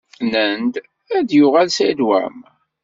Nnan-d ad yuɣal Saɛid Waɛmaṛ.